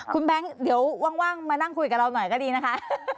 คุณแบงค์เดี๋ยวว่างมานั่งคุยกับเราหน่อยก็ดีนะคะ